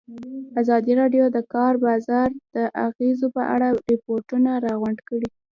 ازادي راډیو د د کار بازار د اغېزو په اړه ریپوټونه راغونډ کړي.